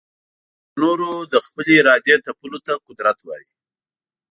پر نورو د خپلي ارادې تپلو ته قدرت وايې.